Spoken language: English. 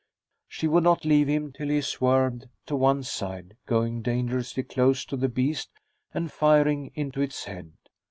She would not leave him till he swerved to one side, going dangerously close to the beast and firing into its head.